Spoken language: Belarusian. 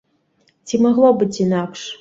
Ці магло быць інакш?